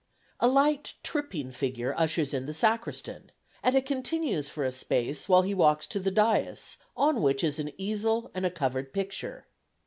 A light tripping figure ushers in the Sacristan, and it continues for a space while he walks to the daïs, on which is an easel and a covered picture.